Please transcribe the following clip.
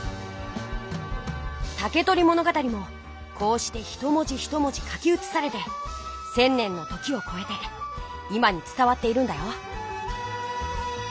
「竹取物語」もこうしてひと文字ひと文字書きうつされて１，０００年の時をこえて今につたわっているんだよ。